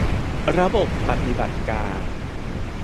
ระบบปฏิบัติการ